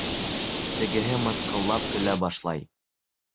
Тегеһе мыҫҡыллап көлә башлай.